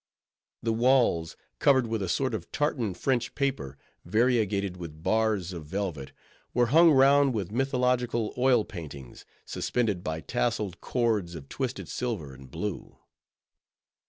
The walls, covered with a sort of tartan French paper, variegated with bars of velvet, were hung round with mythological oil paintings, suspended by tasseled cords of twisted silver and blue.